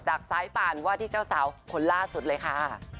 สายป่านว่าที่เจ้าสาวคนล่าสุดเลยค่ะ